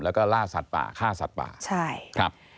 แล้วก็ล่าสัตว์ป่าฆ่าสัตว์ป่า